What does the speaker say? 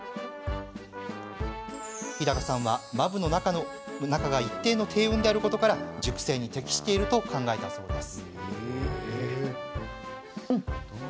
日高さんは、間歩の中が一定の低温であることから熟成に適していると考えたそうです。